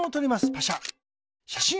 パシャ。